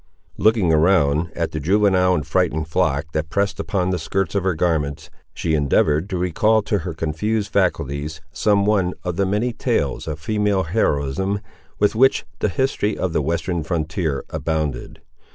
Looking around, at the juvenile and frightened flock that pressed upon the skirts of her garments, she endeavoured to recall to her confused faculties some one of the many tales of female heroism, with which the history of the western frontier abounded.